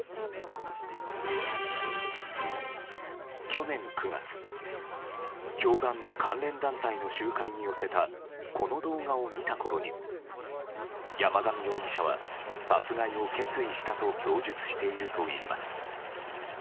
去年９月、教団の関連団体の集会に寄せたこの動画を見たころに山上容疑者は殺害を決意したと供述しているといいます。